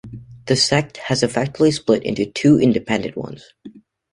The sect has effectively split into two independent ones.